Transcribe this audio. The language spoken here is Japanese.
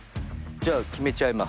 じゃあ決めちゃいます。